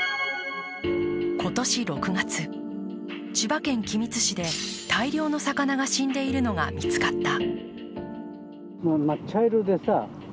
今年６月、千葉県君津市で大量の魚が死んでいるのが見つかった。